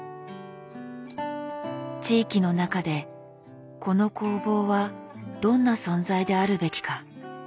地域の中でこの工房はどんな存在であるべきか？